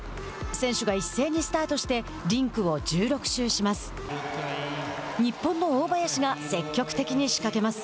選手が一斉にスタートしてリンクを１６周します。